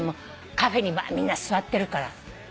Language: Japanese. カフェに座ってるから。